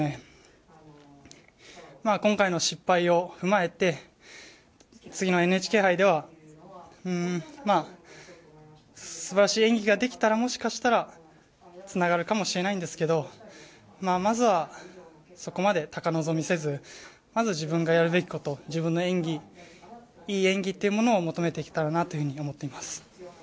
今回の失敗を踏まえて次のＮＨＫ杯では素晴らしい演技ができたらもしかしたらつながるかもしれないんですけどまずはそこまで高望みせずまず自分がやるべきこと自分の演技いい演技を求めていけたらなと思います。